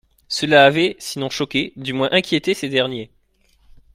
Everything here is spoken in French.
Cela avait, sinon choqué, du moins inquiété ces derniers.